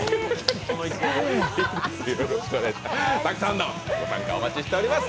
たくさんのご参加、お待ちしております。